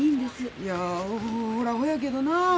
いやほらほやけどなあ。